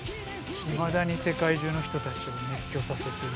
いまだに世界中の人たちを熱狂させてる。